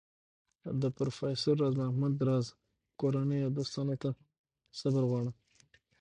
د پروفیسر راز محمد راز کورنۍ او دوستانو ته صبر غواړم.